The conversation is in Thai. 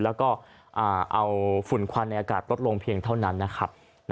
แล้วก็เอาฝุ่นควันในอากาศลดลงเพียงเท่านั้นนะครับ